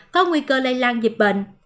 có nguy cơ lây lan dịch bệnh